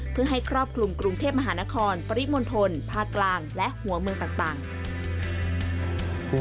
เพื่อให้ครอบคลุมกรุงเทพมหานครปริมณฑลภาคกลางและหัวเมืองต่าง